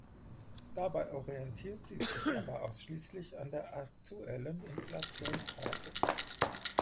Dabei orientiert sie sich aber ausschließlich an der aktuellen Inflationsrate.